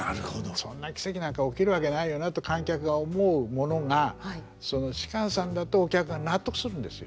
そんな奇蹟なんか起きるわけないよなと観客が思うものが芝さんだとお客が納得するんですよ。